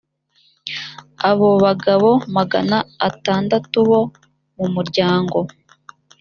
abo bagabo magana atandatu bo mu muryango